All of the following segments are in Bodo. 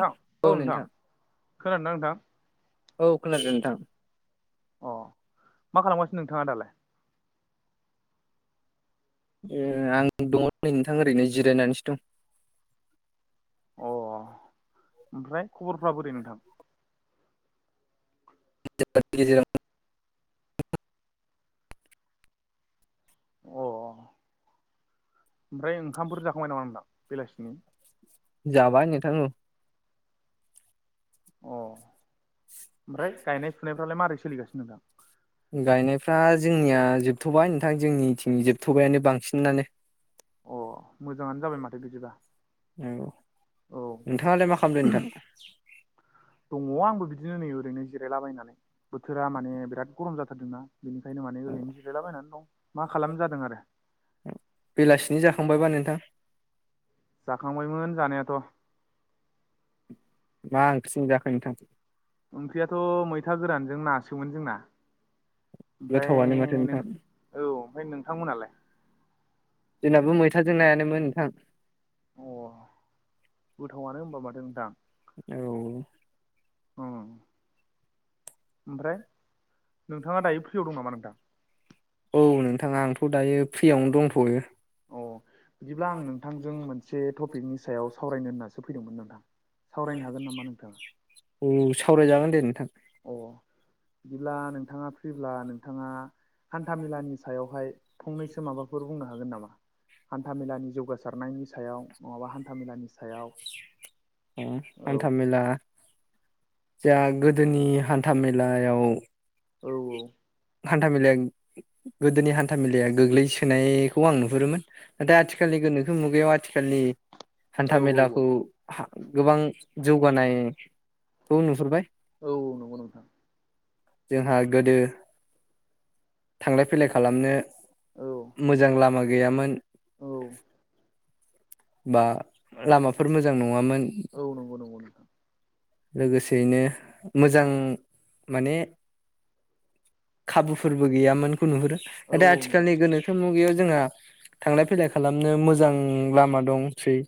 नोंथां औ नोंथां खोनादोंदा नोंथां? औ खोनादों नोंथां अ मा खालामगासिनो नोंथाङा दालाय? ए आं दङ नै नोंथां ओरैनो जिरायनानैसो दं अ ओमफ्राय खबरफ्रा बोरै नोंथां? [unintelligible] अ ओमफ्राय ओंखामफोरुर जाखांबाय नामा नोंना बेलासिनि? जाबाय नोंथां उ अ ओमफ्राय गायनाय फुनायफ्रालाय माबारै सोलिगासिनो नोंथां? गायनायफ्रा जोंनिया जोबथ'बाय नोंथां जोंनिथिं जोबथ'बायानो बांसिनानो। अ मोजाङानो जाबाय माथो बिदिबा औ औ नोंथाङालाय मा खालामदों नोंथां? दङ आंबो बिदिनो नै ओरैनो जिरायलाबायनानै। बोथोरा माने बिराद गरम जाथारदोंना बेनिखायनो माने ओरैनो जिरायलाबायनानै दं मा खालामनो जादों आरो बेलासिनि जाखांबायबा नोंथां? जाखांबायमोन जानायाथ' मा ओंख्रि मोनजाखो नोंथां? ओंख्रियाथ' मैथा गोरानजों नासोमोन जोंना। ओमफ्राय गोथावानो माथो नों नोंथां औ ओमफ्राय नोंथांमोनालाय? जोंनाबो मैथाजों नायानो नोंथां। अ गोथावानो होनबा माथो नोंथां औ ओं ओमफ्राय नोंथाङा दायो फ्रियाव दं नामा नोंथां? औ नोंथांङा आंथ' दायो फ्रियावनो दंथ'यो अ बिदिब्ला आं नोंथांजों मोनसे टपिकनि सायाव सावरायनो होननासो फैदोंमोन नोंथां सावरायनो हागोन नामा नोंथाङा औ सावरायजागोन दे नोंथां अ बिदिब्ला नोंथांङा फ्रिब्ला नोंथांङा अ हान्थामेलानि सायावहाय फंनैसो माबाफोर बुंनो हागोन नामा? हान्थामेलानि जौगासारनायनि सायाव नंङाबा हान्थामेलानि सायाव आ औ हानथामे औ जोंहा गोदोनि हान्था मेलायाव औ हान्थामेलानि गोदोनि हान्था मेलाया गोग्लैसोनायखौ आं नुहुरोमोन। दा आथिखालनि गोनोखो मुगायाव आथिखालनि औ हान्था औ औ मेलाखौ हा गोबां जौगानायखौ नुहुरबाय औ नंगौ नोंथां जों हा गोदो थांलाय फैलाय खालामनो औ मोजां लामा गैयामोन औ बा लामाफोर मोजां नंङामोन औ नंगौ नंगौ नोंथां लोगोसेयैनो मोजां माने खाबुफोरबो गैयामोनखौ नुहुरो दा औ आथि औ नंगौ आथिखालनि गोनोखो मुगायाव जोंहा थांलाय फैलाय खालामनो मोजां लामा दंसै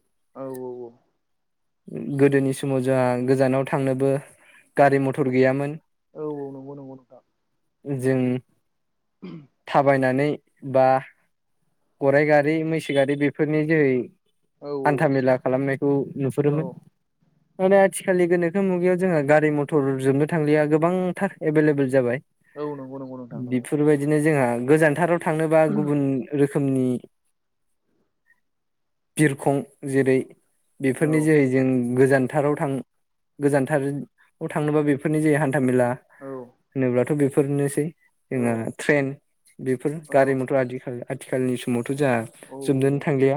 औ औ औ गोदोनि समाव जोंहा गोजानाव थांनोबो गारि मथर गैयामोन औ औ नंगौ नंगौ नोंथां जों उ थाबायनानै बा गराय गारि मैसो गारि बेफोरनि जोहै औ हान्थामेला खालामनायखौ औ नुहुरोमोन। माने आथिखालनि गोनोखो मुगायाव जोंहा गारि मथर जोबनो थांलिया गोबांथार एभेलेबल जाबाय औ नंगौ नंगौ नोंथां नंगौ बेफोरबायदिनो जोंहा गोजानथाराव थांनोबा गुबुन रोखोमनि बिरखं जेरै औ बेफोरनि जोहै जों गोजानथाराव थां गोजानथार [unintelligible] थांनोबा बेफोरनि जे हान्थामेला औ होनोब्लाथ' बेफोरनोसै औ जोंहा ट्रेन बेफोर औ गारि मथर आ-आदिखाल आथिखालनि सम समावथ' जोंहा औ जोबनो थांलिया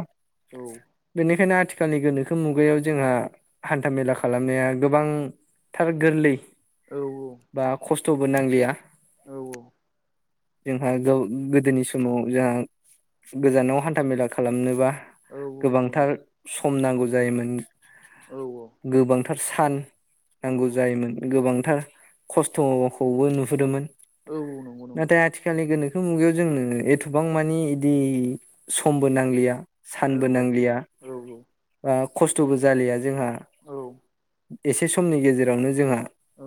औ बेनिखायनो आथिखाल आथिखालनि गोनोखो मुगायाव जोंहा हान्था मेला खालामनाया गोबां थार गोरलै बा खस्थ'बो नांलिया। औ औ जोंहा गाव गोदोनि समाव जाहा गोजानाव हान्था मेला खालामनोबा औ नंगौ नंगौ गोबांथार सम नांगौ जायोमोन। औ औ गोबांथार सान औ नांगौ जायोमोन गोबांथार खस्थ' खौबो नुहदोंमोन औ नंगौ नंगौ नाथाय आ थिखालनि गोनोखो मुगायाव जोंनो एथबां मानि इदि समबो नांलिया। औ सानबो नांलिया औ बा खस्थ'बो जालिया जोंहा। औ एसे समनि गेजेरावनो जोंहा औ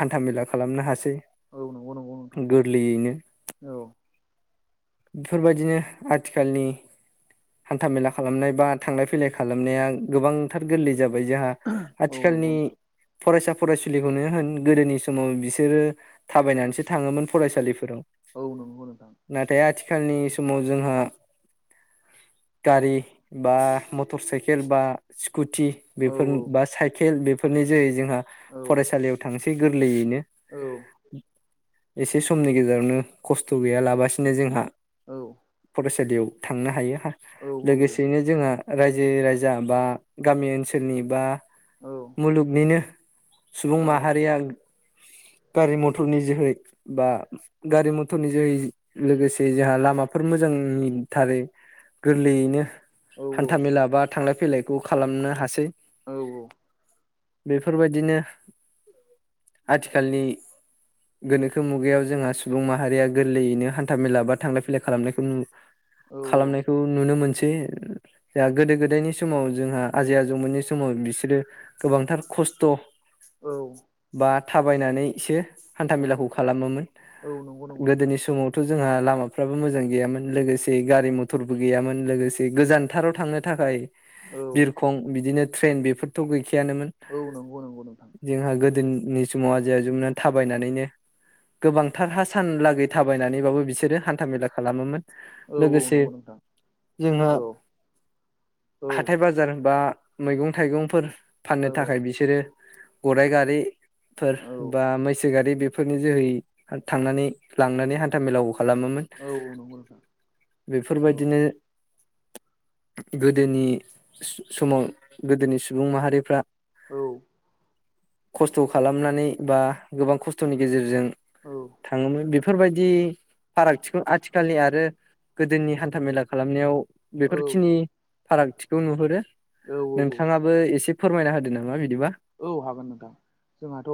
हान्थामेला खालामनो हासै नंगौ नंगौ नोंथां गोरलैयैनो। औ बेफोरबायदिनो आथिखालनि हान्थामेला खालामनाय बा थांलाय फैलाय खालामनाया गोबांथार गोरलै जाबाय जोहा औ आथिखालनि नंगौ नोंथां फरायसा फरायसुलिखौनो होन गोदोनि समाव बिसोरो थाबायनानैसो थाङोमोन फरायसालिफोराव। औ नंगौ नोंथां नाथाय आथिखालनि समाव जोंहा। गारि बा मटर साइकेल बा स्कुटि औ बेफोर बा साइकेल बेफोरनि जोहै जोंहा औ फरायसालियाव थांसै गो लैयैनो औ एसे समनि गेजेरावनो खस्थ' गैया लाबासिनो जोंहा औ फरायसालियाव थांनो हायो औ औ लोगोसेयैनो जोंहा रायजो राजा बा गामि ओनसोलनि बा मुलुगनिनो सुबुं माहारिया गारि मथरनि जोहै बा गारि मथरनि जोहै लोगोसे जोंहा लामाफोर मोजांनि थारै गोरलैयैनो हान्था मेला बा थांलाय फैलायखौ खालामनो हासै। औ औ बेफोरबायदिनो आथिखालनि गोनोखो मुगायाव जोंहा सुबुं माहारिया गोरलैयैनो हान्था मेला बा थांलायै खालामनायखौ नु खालामनाय खौ नुनो मोनसै जाहा गोदो गोदायनि समाव जोंहा आजै आजौमोननि समाव बिसोरो गोबांथार खस्थ' औ बा थाबायनानैसो हान्थामेलाखौ खालामोमोन नंगौ नंगौ नोंथां गोदोनि समाव थ' जोंहा लामाफ्राबो मोजां गैयामोन लोगोसे गारि मथरबो गैयामोन लोगोसे गोजानथाराव थांनो थाखाय औ बिरखं बिदिनो ट्रेन बेफोरथ' गैखायानोमोन। औ नोंगौ नोंगौ नोंथां। जोंहा गोदोनि समाव आजै आजौमोनहानो थाबायनानैनो गोबांथारहा सानलागै थाबायनानैबाबो बिसोरो हान्था मेला खालामोमोन। औ औ लोगोसे नंगौ नोंथां जोंहा औ औ हाथाय बा जार बा मैगं थाइगंफोर फाननो औ थाखाय बिसोरो गराय गारि फोर औ बा मैसो गारि बे फोरनि जोहै थांनानै लांनानै हान्था मेेलाखौ खालामोमोन। औ औ नंगौ नोंथां। औ बेफोरबायदिनो गोदोनि समाव गोदोनि सुबुं माहारिफ्रा औ। खस्थ' खालामनानै बा गोबां खस्थ'नि गेजेरजों औ। थाङोमोन बेफोरबायदि फारागथिखौ आथिखालनि आरो गोदोनि हान्था मेला खालामनायाव बेफोरखिनि फारागथिखौ नुहुरो औ नोंथाङा बो एसे फोरमायना होदो नामा बिदिबा? औ हागोन नोंथां जोंहाथ'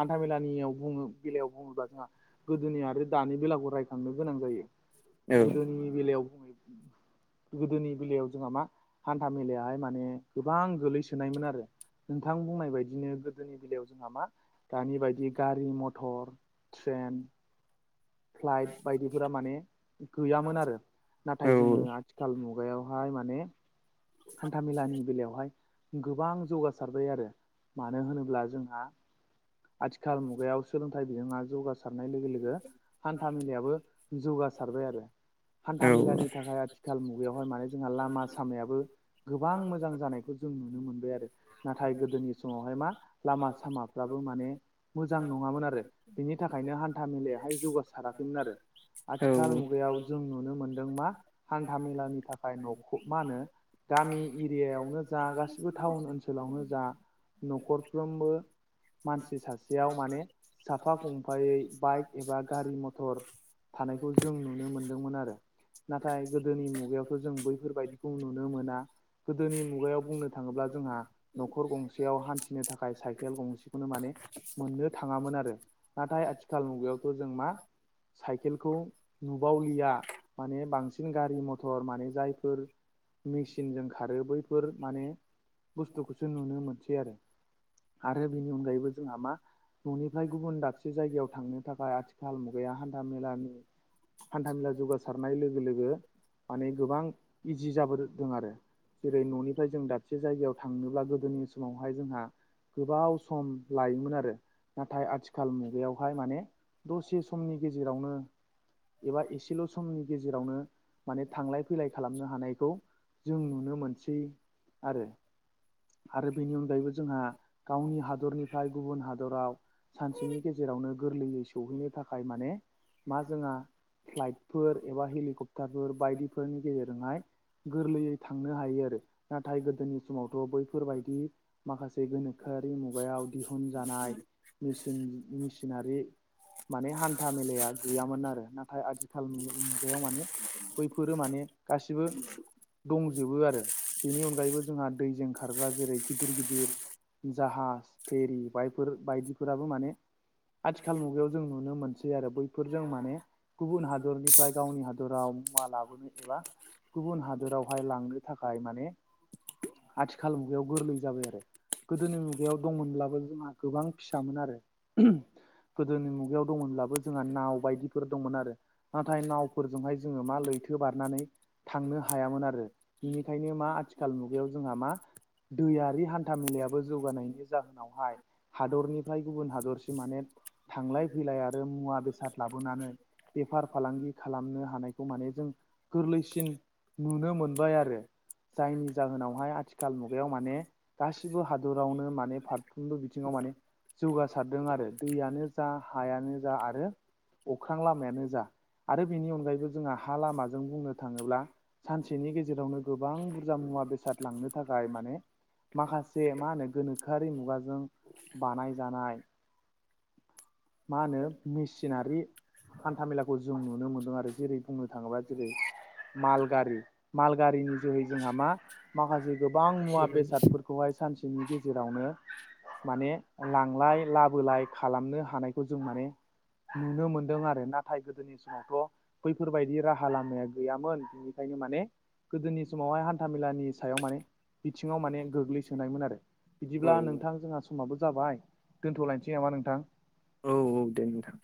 हान्थामेलानियाव बुङो बेलायाव बुङोब्ला जोंहा गोदोनि आरो दानि बेलाखौ रायखांनो गोनां जायो। औ गोदोनि बेलायाव गोदोनि बेलायाव जोंहा मा हान्था मेलायाहाय माने गोबां गोलैसोनायमोन आरो नोंथां बुंनाय बायदिनो गोदोनि बेलायाव जोंहा मा दानि बायदि गारि-मथर ट्रेन फ्लाइट बायदिफोरा माने गैयामोन आरो। औ नाथाय जोङो आथिखाल मुगायावहाय माने हान्थामेलानि बेलायावहाय गोबां जौगासारबाय आरो मानो होनोब्ला जोंहा आथिखाल मुगायाव सोलोंथाइ बिजोंङा जौगासारनाय लोगो लोगो हान्था मेेलायाबो जौगासारबाय आरो। हान्था औ मेलानि थाखाय आथिखाल मुगायावहाय माने जोंहा लामा सामायाबो गोबां मोजां जानायखौ जों नुनो मोनबाय आरो नाथाय गोदोनि समावहाय मा लामा सामाफ्राबो माने मोजां नङामोन आरो बेनि थाखायनो हान्था मेलायावाहाय जौगासार खैमोन आरो औ आथिखाल मुगायाव जों नुनो मोनदों मा हान्था मेलानि थाखाय न'खौ मा होनो गामि एरियायावनो जा गासिबो टाउन ओनसोलावनो जा न'खरफ्रोमबो मानसि सासेयाव माने साफा खंफायै बाइक एबा गारि म'थर थानायखौ जों नुनो मोनदोंमोन आरो। नाथाय गोदोनि मुगायावथ' जों बैफोरबायदिखौ नुनो मोना। गोदोनि मुगायाव बुंनो थांङोब्ला जोंहा न'खर गंसेयाव हान्थिनो थाखाय साइकेल गंसेखौनो माने मोननो थांङामोन आरो। नाथाय आथिखाल मुगायावथ' जों मा साइकेलखौ नुबावलिया। माने बांसिन गारि मथर माने जायफोर मेचिनजों खारो बैफोर माने बुस्थुखौसो नुनो मोनसै आरो। आरो बेनि अनगायैबो जोंहा मा न'निफ्राय गुबुन दाबसे जायगायाव थांनो थाखाय आथिखाल मुगाया हान्था मेलानि हान्थामेला जौगासारनाय लोगो लोगो माने गोबां इजि जाबोदों आरो‌ जेरै न'निफ्राय जों दाबसे जायगायाव थांनोब्ला गोदोनि समावहाय जोंहा गोबाव सम लायोमोन आरो नाथाय आथिखाल मुगायावहाय माने दसे समनि गेजेरावनो एबा एसेल' समनि गेजेराव जेरावनो माने थांलाय फैलाय खालामनो हानायखौ जों नुनो मोनसै आरो आरो बेनि अनगायैबो जोंहा गावनि हादरनिफ्राय गुबुन हादराव सानसेनि गेजेरावनो गोरलैयै सौहैनो थाखाय माने मा जोंहा फ्लाइटफोर एबा हेलिकप्टारफोर बायदिफोरनि गेजेरजोंहाय गोरलैयै थांनो हायो आरो नाथाय गोदोनि समाव बैफोरबायदि माखासे गोनोखोआरि मुगायाव दिहुनजानाय मेसिन मेसिननारि माने हान्था मेलाया गैयामोन आरो नाथाय आथिखाल मुगायाव माने बैफोरो माने गासिबो दंजोबो आरो बेनि अनगायैबो जोंहा दैजों खारग्रा जेरै गिदिर गिदिर जाहाज फेरि बायफोर बायदिफोराबो माने आथिखाल मुगायाव जों नुनो मोनसै आरो बैफोरजों माने गुबुन हादरनिफ्राय गावनि हादराव मुवा लाबोनो एबा गुबुन हादोरावहाय लांनो थाखाय माने आथिखाल मुगायाव गोरलै जाबाय आरो। गोदोनि मुगायाव दंमोनब्लाबो जोंहा गोबां फिसामोन आरो ओहोम। गोदोनि मुगायाव दंमोनब्लाबो जोंहा नाव बायदिफोर दंमोन आरो। नाथाय नावफोरजोंहाय जोंङो मा लैथो बारनानै थांनो हायामोन आरो। बिनिखायनो मा आथिखाल मुग बेयाव जोंहा मा दैयारि हान्था मेलायाबो जौगानायनि जाहोनावहाय हादरनिफ्राय गुबुन हादरसि माने थांलाय फैलाय आरो मुवा बेसाद लाबोनानै बेफार फालांगि खालामनो हानायखौ माने जों गोरलैसिन नुनो मोनबाय आरो। जायनि जाहोनावहाय आथिखाल मुगायाव माने गासिबो हादरावनो माने फारफ्रोमबो बिथिङाव माने जौगासारदों आरो दैयानो जा हायानो जा आरो अख्रां लामायानो जा। आरो बेनि अनगायैबो जोंहा हा लामाजों बुंनो थांङोब्ला सानसेनि गेजेरावनो गोबां बुरजा मुवा बेसाद लांनो थाखाय माने माखासे मा होनो गोनोखोआरि मुगाजों बानायजानाय [inaudible] मा होनो मेसिनारि हान्थामेलाखौ जों नुनो मोनदों आरो। जेरै बुंनो थाङोब्ला जेरै मालगारि माल गारिनि जोहै जोंहा मा माखासे गोबां मुवा बेसादफोर खौहाय सानसेनि गेजेरावनो माने लांलाय लाबोलाय खालामनो हानायखौ जों माने नुनो मोनदों आरो नाथाय गोदोनि समावथ' बैफोरबायदि राहा लामाया गैयामोन। बिनिखायनो माने गोदोनि समावहाय हान्थामेलानि सायाव माने बिथिङाव माने गोग्लैसोनायमोन आरो। औ बिदिब्ला नोंथां जोंहा स समाबो जाबाय दोन्थ'लायनोसै नामा नोंथां? औ औ दे नोंथां।